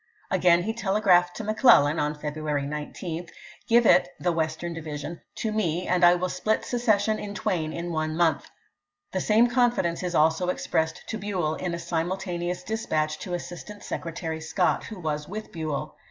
Again he telegraphed to McClellan (February 19), " Grive it [the Western division] to me, and I will split secession in twain in one month." The same confidence is also ex pressed to Buell, in a simultaneous dispatch to Assistant Secretary Scott, who was with Buell.